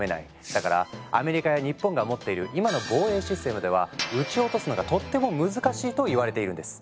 だからアメリカや日本が持っている今の防衛システムでは撃ち落とすのがとっても難しいといわれているんです。